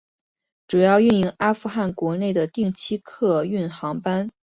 主要运营阿富汗国内的定期客运航班以及部分区域性国际航班业务。